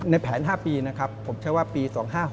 แผน๕ปีนะครับผมใช้ว่าปี๒๕๖๖